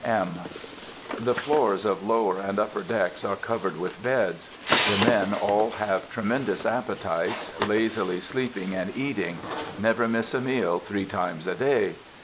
(M.) The floors of lower and upper decks are covered with beds. The men all have tremendous appetites, lazily sleeping and eating,—never miss a meal three times a day.